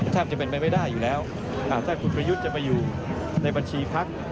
แทบจะเป็นไปไม่ได้อยู่แล้วถ้าคุณประยุทธ์จะไปอยู่ในบัญชีพัก